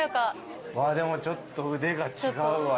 でもちょっと腕が違うわ。